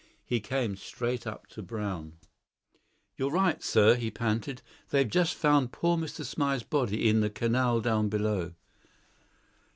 He came straight up to Brown. "You're right, sir," he panted, "they've just found poor Mr. Smythe's body in the canal down below."